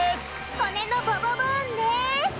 骨のボボボーンです！